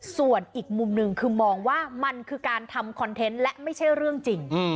ส่วนอีกมุมหนึ่งคือมองว่ามันคือการทำคอนเทนต์และไม่ใช่เรื่องจริง